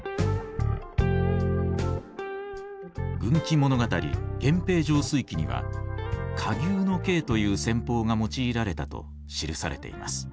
軍記物語「源平盛衰記」には火牛の計という戦法が用いられたと記されています。